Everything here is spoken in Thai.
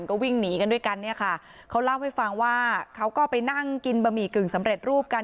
ก็วิ่งหนีกันด้วยกันเนี่ยค่ะเขาเล่าให้ฟังว่าเขาก็ไปนั่งกินบะหมี่กึ่งสำเร็จรูปกัน